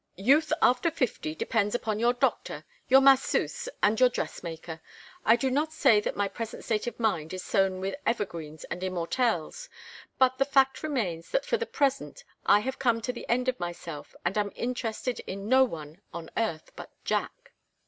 "Youth after fifty depends upon your doctor, your masseuse, and your dressmaker. I do not say that my present state of mind is sown with evergreens and immortelles, but the fact remains that for the present I have come to the end of myself and am interested in no one on earth but Jack."